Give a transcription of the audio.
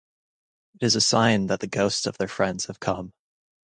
It is a sign that the ghosts of their friends have come.